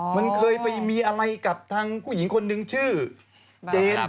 มันเคยไปมีอะไรกับทางผู้หญิงคนหนึ่งชื่อเจน